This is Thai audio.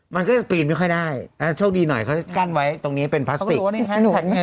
มันก็จะปีนไม่ค่อยได้โชคดีหน่อยเขาจะกั้นไว้ตรงนี้เป็นพลาสติก